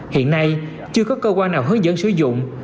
hiện nay chưa có cơ quan nào hướng dẫn sử dụng